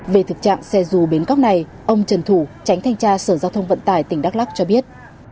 về thực trạng xe dù bến cóc này ông trần thủ tránh thanh tra sở giao thông vận tải tỉnh đắk lắc cho biết